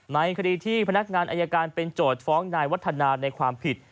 ในคดีที่พนักงานอายการเป็นโจทย์ฟ้องนายวัฒนาในความผิด